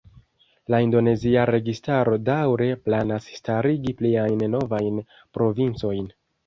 La indonezia registaro daŭre planas starigi pliajn novajn provincojn.